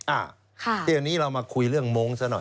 อันนี้เรามาคุยเรื่องมงค์ซะหน่อย